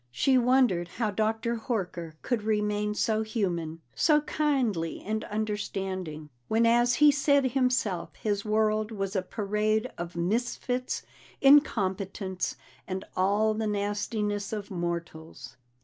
She wondered how Dr. Horker could remain so human, so kindly and understanding, when as he said himself his world was a parade of misfits, incompetents, and all the nastiness of mortals.